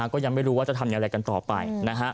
ก็ยังไม่รู้ว่าจะทำอย่างไรกันต่อไป